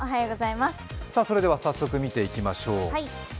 それでは早速、見ていきましょう。